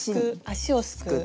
足をすくう。